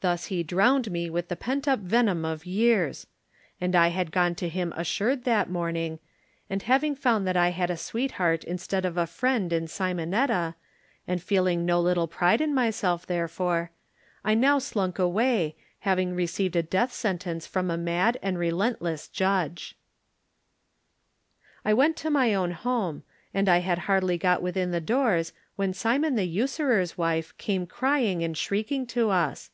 Thus he drowned me with the pent up venom of years. And I had gone to him as sured that morning, and having found that 44 Digitized by Google THE NINTH MAN 1 had a sweetheart instead of a friend in Simonetta, and feeling no little pride in my self, therefore, I now slunk away, having received a death sentence from a mad and relentless judge. I went to my own home, and I had hardly got within the doors when Simon the usurer's wife came crying and shrieking to us.